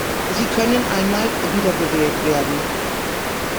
Sie können einmal wiedergewählt werden.